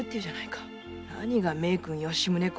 何が名君・吉宗公